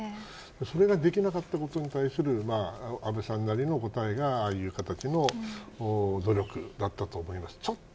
それができなかったことに対する安倍さんなりの答えがああいう形の努力だったんだと思います。